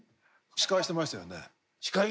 司会してましたよ。